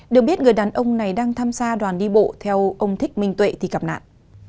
được biết người đàn ông này đang tham gia đoàn đi bộ theo ông thích minh tuệ thì gặp nạn